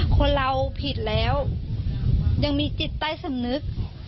คนเราผิดแล้วยังมีจิตใต้สำนึก